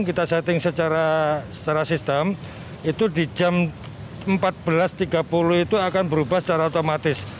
kita setting secara sistem itu di jam empat belas tiga puluh itu akan berubah secara otomatis